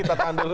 kita tahan dulu